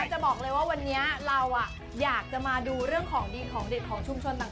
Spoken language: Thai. จะบอกเลยว่าวันนี้เราอยากจะมาดูเรื่องของดีของเด็ดของชุมชนต่าง